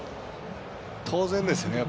当然ですよね。